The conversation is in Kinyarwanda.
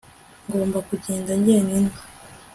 ngomba kugenda njyenyine